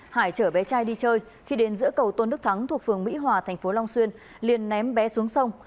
hải chở bé trai đi chơi khi đến giữa cầu tôn đức thắng thuộc phường mỹ hòa thành phố long xuyên liền ném bé xuống sông